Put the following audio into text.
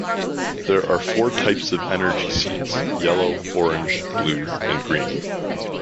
There are four types of Energy Seeds: Yellow, Orange, Blue and Green.